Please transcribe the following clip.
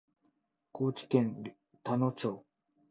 高知県田野町